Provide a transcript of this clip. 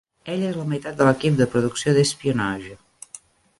Ell és la meitat de l'equip de producció d'"Espionage".